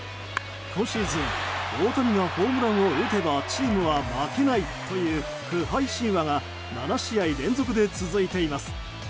今シーズン大谷がホームランを打てばチームは負けないという不敗神話が７試合連続で続いています。